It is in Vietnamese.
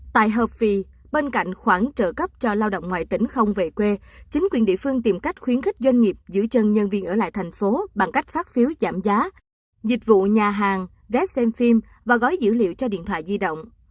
tại hợp phi bên cạnh khoản trợ cấp cho lao động ngoại tỉnh không về quê chính quyền địa phương tìm cách khuyến khích doanh nghiệp giữ chân nhân viên ở lại thành phố bằng cách phát phiếu giảm giá dịch vụ nhà hàng vé xem phim và gói dữ liệu cho điện thoại di động